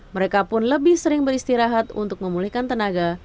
mereka pun lebih sering beristirahat untuk memulihkan tenaga